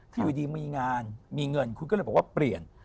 อยู่ดีมีงานมีเงินคุณก็เลยบอกว่าเปลี่ยน